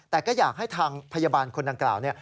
แต่ก็อยากให้ทางพยาบาลคนดังกล่าว